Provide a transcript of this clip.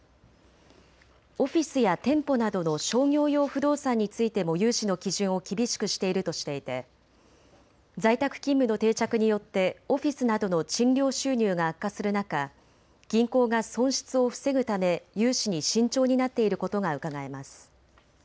オフィスや店舗などの商業用不動産についても融資の基準を厳しくしているとしていて在宅勤務の定着によってオフィスなどの賃料収入が悪化する中、銀行が損失を防ぐため融資に慎重になっていることがうかがえます。